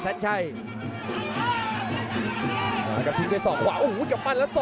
กระโดยสิ้งเล็กนี่ออกกันขาสันเหมือนกันครับ